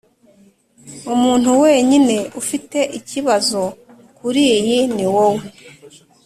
umuntu wenyine ufite ikibazo kuriyi niwowe.